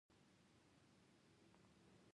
د خاورې جوړښت هر فصل ته یو ډول مناسب نه وي.